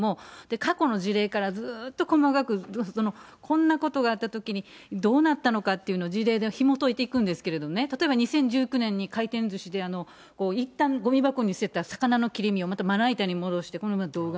過去の事例からずーっと細かく、こんなことがあったときに、どうなったのかっていうのを、事例でひもといていくんですけれどもね、例えば２０１９年に回転ずしで、いったん、ごみ箱に捨てた魚の切り身をまたまな板に戻してという動画。